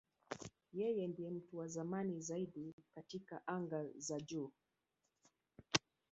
Yeye ndiye mtu wa zamani zaidi katika anga za juu.